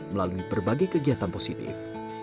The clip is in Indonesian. melalui berbagai kegiatan positif